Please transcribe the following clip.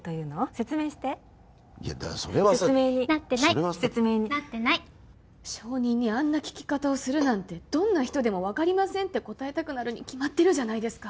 説明していやだからそれは説明になってない証人にあんな聞き方をするなんてどんな人でも分かりませんって答えたくなるに決まってるじゃないですか